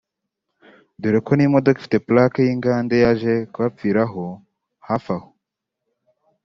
dore ko n’imodoka ifite ’plaque’ y’ingande yaje kubapfiraho hafi aho